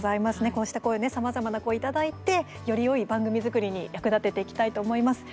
こうした声、さまざまな声いただいて、よりよい番組作りに役立てていきたいと思います。